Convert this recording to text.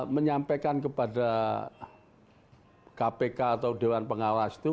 menyampaikan kepada kpk atau dewan pengawas itu